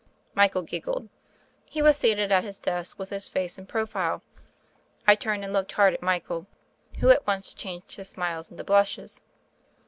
Michael giggled. He was seated at his desk with his face in profile. I turned and looked hard at Michael, who at once changed his smiles into blushes.